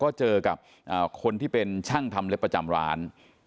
ก็เจอกับคนที่เป็นช่างทำเล็บประจำร้าน